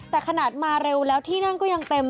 แต่ขนาดมาเร็วแล้วที่นั่งก็ยังเต็ม